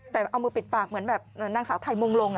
แต่เอามือปิดปากเหมือนแบบนางสาวไทยมงลง